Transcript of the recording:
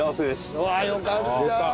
うわっよかった！